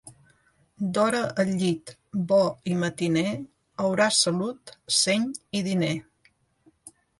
D'hora al llit, bo i matiner, hauràs salut, seny i diner.